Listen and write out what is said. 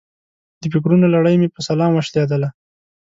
د فکرونو لړۍ مې په سلام وشلېده.